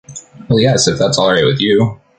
Well yes, if that’s all right with you.